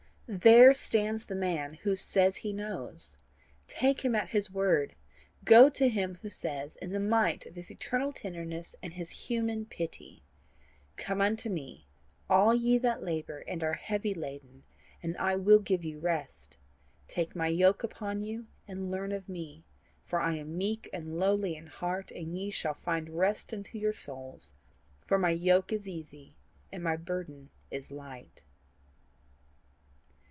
There stands the man, who says he knows: take him at his word. Go to him who says in the might of his eternal tenderness and his human pity COME UNTO ME, ALL YE THAT LABOUR AND ARE HEAVY LADEN, AND I WILL GIVE YOU REST. TAKE MY YOKE UPON YOU, AND LEARN OF ME; FOR I AM MEEK AND LOWLY IN HEART: AND YE SHALL FIND REST UNTO YOUR SOULS. FOR MY YOKE IS EASY AND MY BURDEN IS LIGHT."